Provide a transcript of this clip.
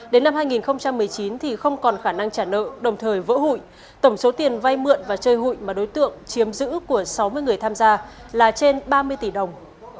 đến năm hai nghìn một mươi chín thì không còn khả năng trả nợ đồng thời vỡ hụi tổng số tiền vay mượn và chơi hụi mà đối tượng chiếm giữ của sáu mươi người tham gia là trên ba mươi tỷ đồng